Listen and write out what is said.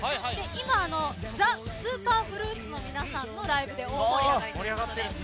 今、ＴＨＥＳＵＰＥＲＦＲＵＩＴの皆さんのライブで盛り上がっているんです。